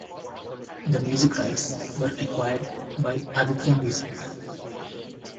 The music rights were acquired by Aditya Music.